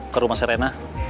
ke rumah serena